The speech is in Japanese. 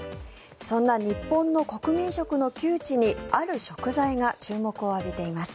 そんな日本の国民食の窮地にある食材が注目を浴びています。